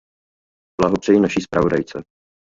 Blahopřeji naší zpravodajce.